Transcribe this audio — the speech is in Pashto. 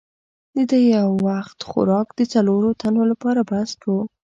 د ده یو وخت خوراک د څلورو تنو لپاره بس وو.